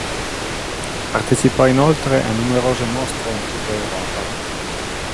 Partecipò inoltre a numerose mostre in tutta Europa.